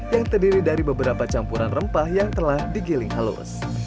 yang terdiri dari beberapa campuran rempah yang telah digiling halus